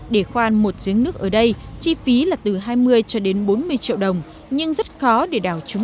để khoan một giếng nước ở đây chi phí là từ hai mươi cho đến bốn mươi triệu đồng nhưng rất khó để đảo trúng